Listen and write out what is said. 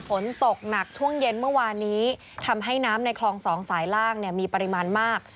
ฝนตกหนักช่วงเย็นเมื่อวานนี้ทำให้น้ำในคลองสองสายล่างมีปริมาณมาก